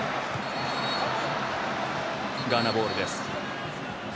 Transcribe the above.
ガーナボールです。